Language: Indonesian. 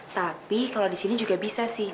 tapi kalau di sini juga bisa sih